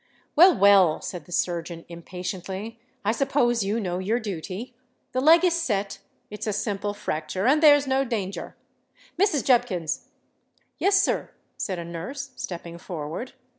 "Well, well," said the surgeon, impatiently: "I suppose you know your duty. The leg is set—it's a simple fracture—and there's no danger. Mrs. Jubkins." "Yes, sir," said a nurse, stepping forward.